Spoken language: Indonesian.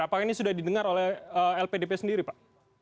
apakah ini sudah didengar oleh lpdp sendiri pak